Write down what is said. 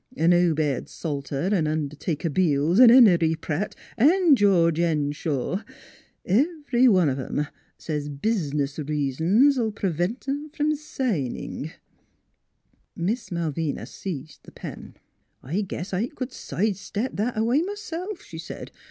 An' Obed Salter an' Under taker Beels an' Henry Pratt an' George Hen NEIGHBORS 181 shaw Every one of 'em says bizniz rea sons '11 prevent 'em from signing." Miss Malvina seized the pen. " I guess I could side step that a way, m'self," she said.